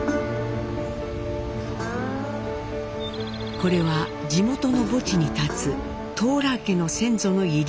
これは地元の墓地に立つトーラー家の先祖の慰霊碑。